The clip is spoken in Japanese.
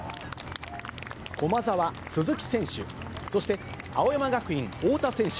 駒澤、鈴木選手、そして青山学院、太田選手。